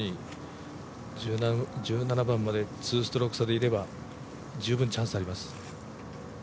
１７番まで２ストローク差でいれば十分チャンスあります。